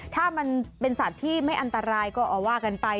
ถ้ามันเป็นสัตว์ที่ไม่อันตรายก็เอาว่ากันไป